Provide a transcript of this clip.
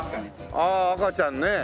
ああ赤ちゃんね。